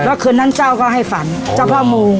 แล้วคืนนั้นเจ้าก็ให้ฝันเจ้าพ่อโมง